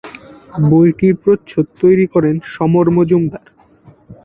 বইটির প্রচ্ছদ তৈরি করেন সমর মজুমদার।